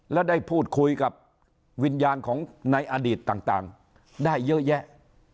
และได้พูดคุยกับวิญญาณของในอดีตต่างได้เยอะแยะ